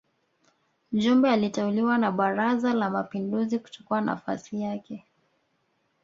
Jumbe aliteuliwa na Baraza la Mapinduzi kuchukua nafasi yake